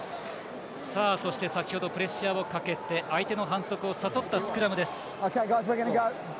先ほどプレッシャーをかけて相手の反則を誘ったスクラム。